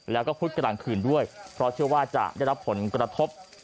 แล้วก็พุธกลางคืนด้วยเพราะเชื่อว่าจะได้รับผลกระทบ